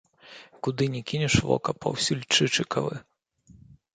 Куды не кінеш вока, паўсюль чычыкавы.